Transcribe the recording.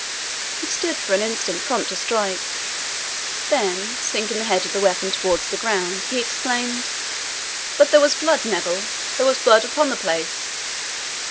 He stood for an instant, prompt to strike; then sinking the head of the weapon towards the ground, he exclaimed, "But there was blood, Neville there was blood upon the place.